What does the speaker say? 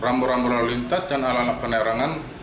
rambu rambu lalu lintas dan alang alang penerangan